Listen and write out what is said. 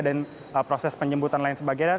dan proses penjemputan lain sebagainya